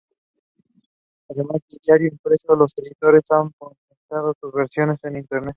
Además del diario impreso, los editores han potenciado sus versiones en Internet.